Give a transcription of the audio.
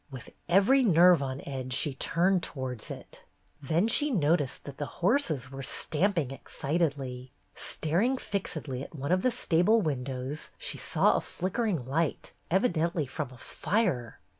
With every nerve on edge, she turned towards it. Then she noticed that the horses were stamping excitedly. Staring fixedly at one of the stable windows, she saw a flickering light, evidently from a fire.